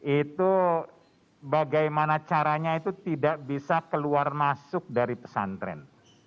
itu bagaimana caranya itu tidak bisa keluar masuk dari pesantren